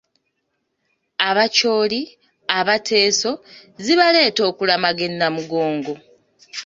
"Abacholi, Abateeso zibaleeta okulamaga e Namugongo."